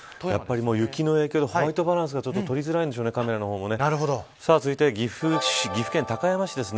雪の影響で、ホワイトバランスもとりづらいんでしょうカメラの方も。続いて岐阜県高山市です。